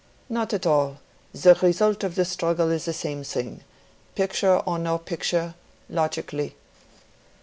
"Not at all: the result of the struggle is the same thing—picture or no picture—logically."